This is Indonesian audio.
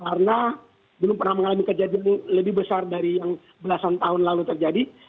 karena belum pernah mengalami kejadian lebih besar dari yang belasan tahun lalu terjadi